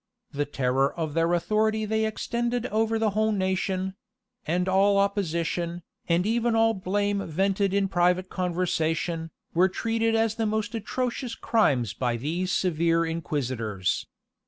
The terror of their authority they extended over the whole nation; and all opposition, and even all blame vented in private conversation, were treated as the most atrocious crimes by these severe inquisitors.